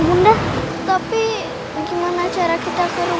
jangan biarkan dia marah marah ani dulu ya